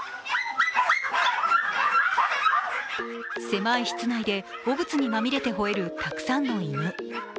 狭い室内で汚物にまみれてほえるたくさんの犬。